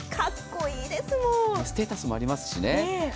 ステータスもありますしね。